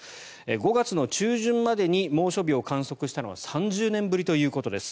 ５月の中旬までに猛暑日を観測したのは３０年ぶりということです。